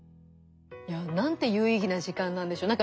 いやなんて有意義な時間なんでしょう。